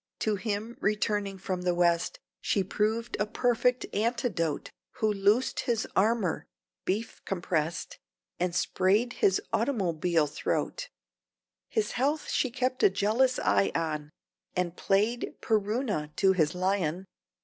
To him returning from the West She proved a perfect anti dote, Who loosed his Armour (beef compress'd) And sprayed his "automobile throat"; His health she kept a jealous eye on, And played PerUna to his lion!